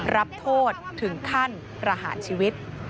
รับโทษถึงขั้นประหารชีวิต